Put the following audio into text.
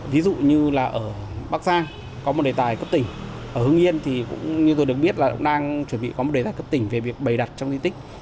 ví dụ như là ở bắc giang có một đề tài cấp tỉnh ở hưng yên thì cũng như tôi được biết là cũng đang chuẩn bị có một đề tài cấp tỉnh về việc bày đặt trong di tích